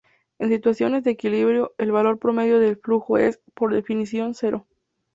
En situaciones de equilibrio, el valor promedio del flujo es, por definición, cero.